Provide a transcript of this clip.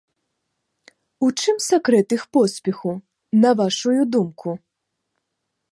У чым сакрэт іх поспеху, на вашую думку?